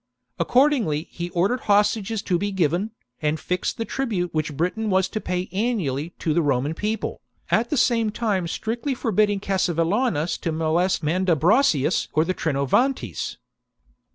Accord ingly he ordered hostages to be given', and fixed the tribute which Britain was to pay annually to the Roman People, at the same time strictly for bidding Cassivellaunus to molest Mandubracius or the Trinovantes.